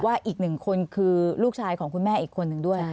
อีกหนึ่งคนคือลูกชายของคุณแม่อีกคนนึงด้วย